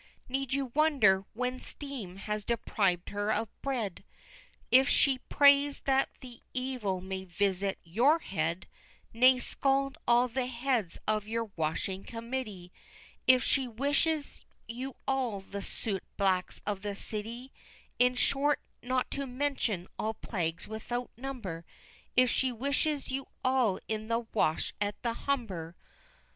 Need you wonder, when steam has depriv'd her of bread, If she prays that the evil may visit your head Nay, scald all the heads of your Washing Committee, If she wishes you all the soot blacks of the city In short, not to mention all plagues without number, If she wishes you all in the Wash at the Humber!